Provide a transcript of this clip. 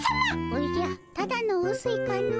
おじゃただのうすいかの。